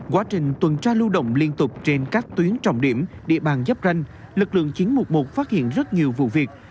quá trình tuần tra lưu động liên tục trên các tuyến trọng điểm địa bàn giáp ranh lực lượng chín trăm một mươi một phát hiện rất nhiều vụ việc